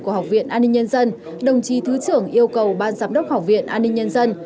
của học viện an ninh nhân dân đồng chí thứ trưởng yêu cầu ban giám đốc học viện an ninh nhân dân